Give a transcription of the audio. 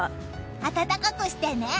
暖かくしてね！